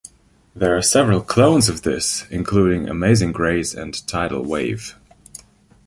There are several clones of this, including 'Amazing Grace' and 'Tidal Wave'.